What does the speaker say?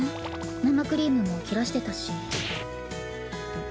生クリームも切らしてたし。